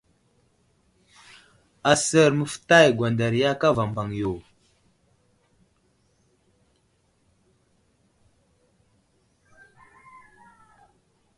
Asər məftay gwanderiya kava mbaŋ yo.